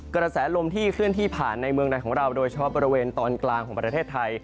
กระแสลมที่เคลื่อนที่ผ่านในเมืองในของเราโดยเฉพาะบริเวณตอนกลางของประเทศไทย